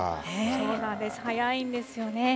そうなんです、早いんですよね。